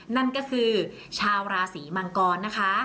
นั่นก็คือชาวราศีมังกรนะคะ